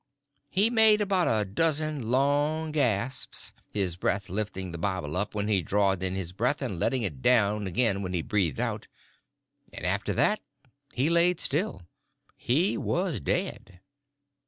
He made about a dozen long gasps, his breast lifting the Bible up when he drawed in his breath, and letting it down again when he breathed it out—and after that he laid still; he was dead.